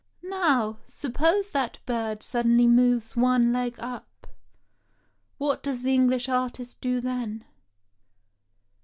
Now, suppose that bird suddenly moves one leg up — what does the English artist do then?